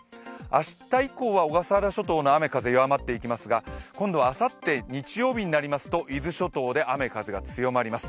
明日以降は小笠原諸島の雨、風は弱まってきますが、あさって日曜日は伊豆諸島で、雨・風が強まります。